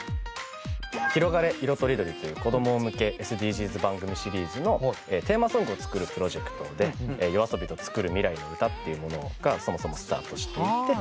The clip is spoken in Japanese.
「ひろがれ！いろとりどり」という子供向けＳＤＧｓ番組シリーズのテーマソングを作るプロジェクトで「ＹＯＡＳＯＢＩとつくる未来のうた」っていうものがそもそもスタートしていって。